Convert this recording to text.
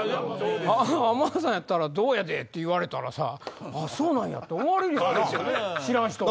「浜田さんやったらどうやで」って言われたらさあっそうなんや！って思われるよな知らん人は。